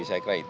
saya kira itu